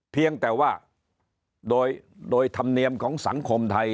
เพียงแต่ว่าโดยธรรมเนียมของสังคมไทย